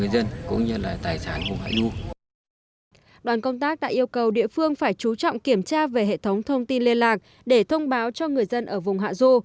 đoàn công tác đã yêu cầu địa phương phải chú trọng kiểm tra về hệ thống thông tin liên lạc để thông báo cho người dân ở vùng hạ du